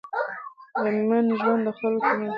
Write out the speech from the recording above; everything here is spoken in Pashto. امن ژوند د خلکو ترمنځ اعتماد پیاوړی کوي.